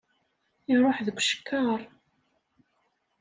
Iṛuḥ deg ucekkaṛ!